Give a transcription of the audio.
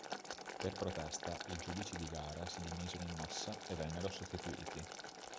Per protesta i giudici di gara si dimisero in massa e vennero sostituiti.